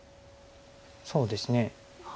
そうですね。